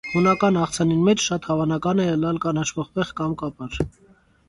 Յունական աղցանին մէջ շատ հաւանական է ըլլալ կանաչ պղպեղ կամ կապար։